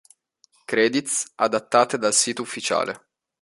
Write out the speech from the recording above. Credits adattate dal sito ufficiale.